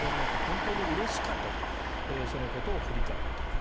本当にうれしかったとそのことを振り返っている。